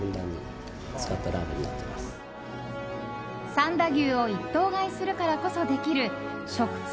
三田牛を一頭買いするからこそできる食通